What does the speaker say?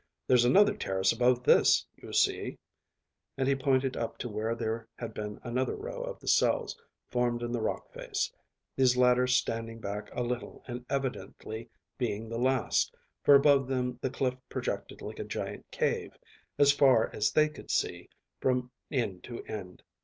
"There's another terrace above this, you see," and he pointed up to where there had been another row of the cells formed in the rock face, these latter standing back a little and evidently being the last, for above them the cliff projected like a gigantic cave, as far as they could see, from end to end.